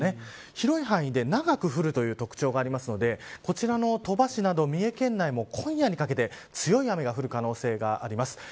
広い範囲で長く降るという特徴があるのでこちらの鳥羽市など三重県内も今夜にかけて強い雨が降る可能性があります。